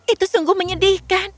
itu sungguh menyedihkan